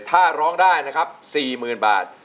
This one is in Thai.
ถ้าร้องได้นะครับ๔๐๐๐บาท